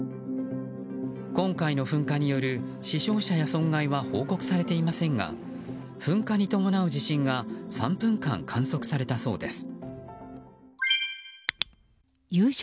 今回の噴火による死傷者や損害は報告されていませんが噴火に伴う地震が３分間観測されたそうです。